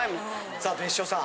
さあ別所さん。